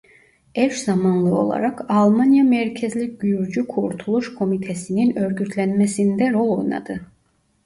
Eş zamanlı olarak Almanya merkezli Gürcü Kurtuluş Komitesi'nin örgütlenmesinde rol oynadı.